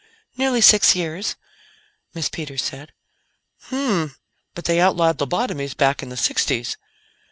"Nearly six years," Miss Peters said. "Hmmh! But they outlawed lobotomies back in the sixties."